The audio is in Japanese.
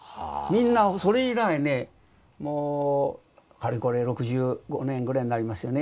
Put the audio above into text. みんなそれ以来ねもうかれこれ６５年ぐらいになりますよね。